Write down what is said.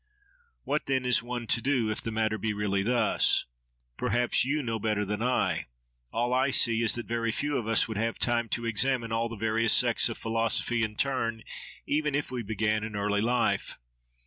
—What then is one to do, if the matter be really thus? Perhaps you know better than I. All I see is that very few of us would have time to examine all the various sects of philosophy in turn, even if we began in early life.